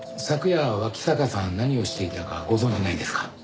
昨夜脇坂さん何をしていたかご存じないですか？